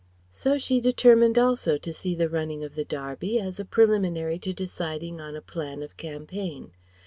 So she determined also to see the running of the Derby, as a preliminary to deciding on a plan of campaign.